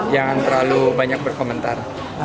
jangan terlalu banyak berkomentar